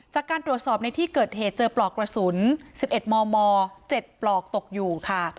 จากการตรวจสอบในที่เกิดเหตุเจอปลอกกระสุน๑๑มม๗ปลอกตกอยู่ค่ะ